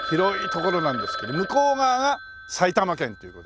向こう側が埼玉県という事で。